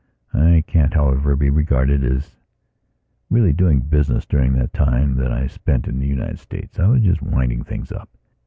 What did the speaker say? I can't, however, be regarded as really doing business during the time that I spent in the United States. I was just winding things up.